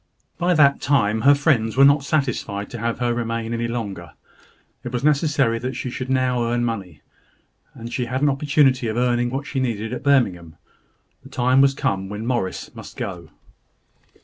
By that time her friends were not satisfied to have her remain any longer. It was necessary that she should earn money; and she had an opportunity now of earning what she needed at Birmingham. The time was come when Morris must go.